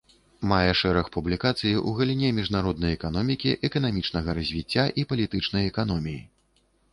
Мае шэраг публікацый у галіне міжнароднай эканомікі, эканамічнага развіцця, і палітычнай эканоміі.